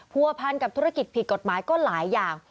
ผัวพันกับธุรกิจผิดกฎหมายก็หลายอย่าง